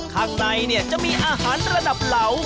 ข้างในจะมีอาหารระดับเหลา